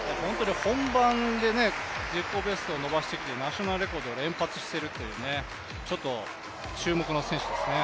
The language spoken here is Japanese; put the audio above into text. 本番で自己ベストを伸ばしてきてナショナルレコードを連発しているというちょっと注目の選手ですね。